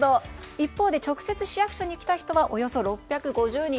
一方で直接市役所に来た人はおよそ６５０人。